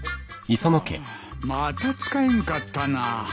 ハアまた使えんかったな。